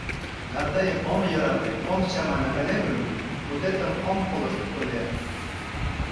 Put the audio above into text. Да тыйым ом йӧрате, ом чамане ыле гын, мутетым ом колышт ыле.